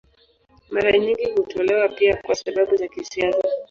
Mara nyingi hutolewa pia kwa sababu za kisiasa.